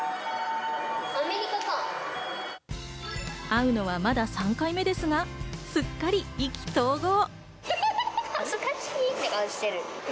会うのはまだ３回目ですが、すっかり意気投合。